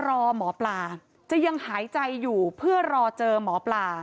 รอหมอปลาจะยังหายใจอยู่เพื่อรอเจอหมอปลา